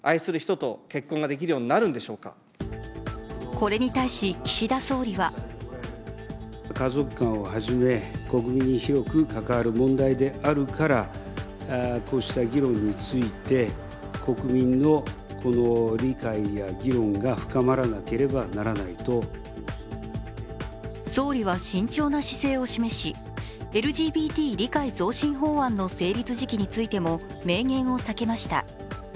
これに対し岸田総理は総理は慎重な姿勢を示し、ＬＧＢＴ理解増進法案の成立時期についても明言を避けました。